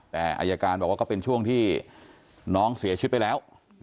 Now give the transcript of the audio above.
แต่อายการบอกว่าก็เป็นช่วงที่น้องเสียชีวิตไปแล้ว